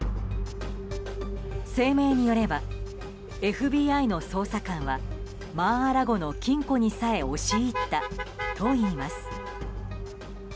声明によればＦＢＩの捜査官はマー・ア・ラゴの金庫にさえ押し入ったといいます。